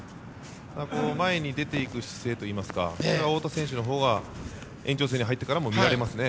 前に出ていく姿勢といいますかそれは太田選手のほうが延長戦に入ってからも見られますね。